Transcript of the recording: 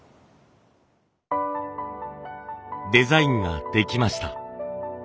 デザインができました。